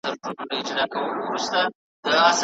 ښځه که هېڅ دي نه وي عزت یې کوه.